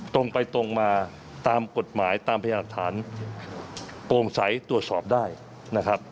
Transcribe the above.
ตรงไปตรงมาตามกฎหมายตามพยาหลักฐานโปร่งใสตรวจสอบได้นะครับ